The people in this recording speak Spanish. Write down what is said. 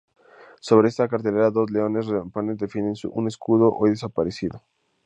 Sobre esta cartela, dos leones rampantes defienden un escudo, hoy desaparecido.